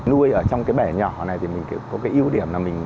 nuôi ở trong cái bể nhỏ này thì mình cũng có cái ưu điểm là mình